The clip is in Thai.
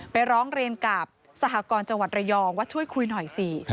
ร้องเรียนกับสหกรจังหวัดระยองว่าช่วยคุยหน่อยสิ